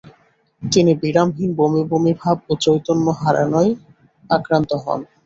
তিনি বিরামহীন বমি বমি ভাব ও চৈতন্য হারানোয় আক্রান্ত হন।